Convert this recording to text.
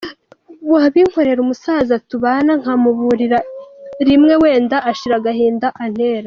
wabinkorera umusaza tubana nkamuburira rimwe wenda n ashira agahinda antera.